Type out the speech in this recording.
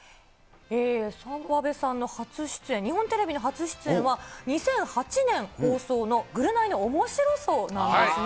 澤部さんの初出演、日本テレビの初出演は、２００８年放送のぐるナイのおもしろ荘なんですね。